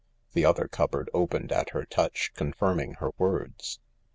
The other cupboard opened at her touch, confirming her words.